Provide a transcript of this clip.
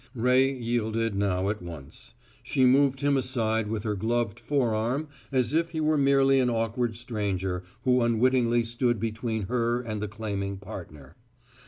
Ray yielded now at once. She moved him aside with her gloved forearm as if he were merely an awkward stranger who unwittingly stood between her and the claiming partner.